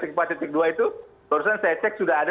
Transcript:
kebetulan saya cek sudah ada